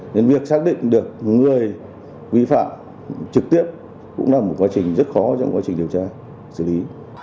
nên việc xác định được người vi phạm trực tiếp cũng là một quá trình rất khó trong quá trình điều tra xử lý